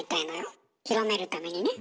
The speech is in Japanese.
広めるためにね。